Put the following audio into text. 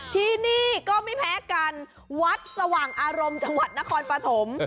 ที่นี่ก็ไม่แพ้กันวัดสว่างอารมณ์จังหวัดนครปฐม